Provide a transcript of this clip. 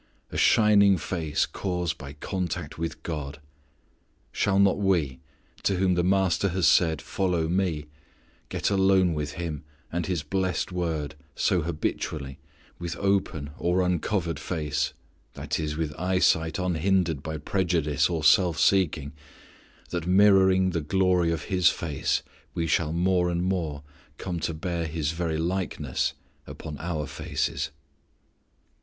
A shining face caused by contact with God! Shall not we, to whom the Master has said, "follow Me," get alone with Him and His blessed Word, so habitually, with open or uncovered face, that is, with eyesight unhindered by prejudice or self seeking, that mirroring the glory of His face we shall more and more come to bear His very likeness upon our faces?